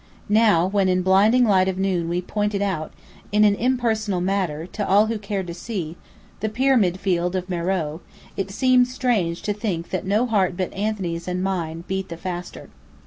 Now, when in blinding light of noon we pointed out, in an impersonal manner, to all who cared to see, the pyramid field of Meröe, it seemed strange to think that no heart but Anthony's and mine beat the faster.